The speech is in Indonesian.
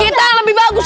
kita yang lebih bagus